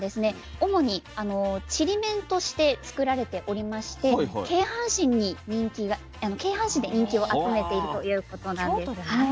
主にちりめんとして作られておりまして京阪神で人気を集めているということなんです。